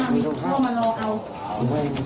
เขามารอเอา